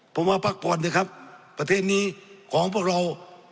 ผมว่าพักผ่อนนะครับประเทศนี้ของพวกเรา